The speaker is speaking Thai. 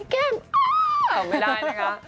แก้มอ้าาาคุกไม่ได้นะคะ